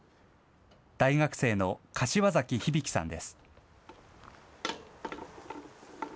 大学生の柏崎響さんです。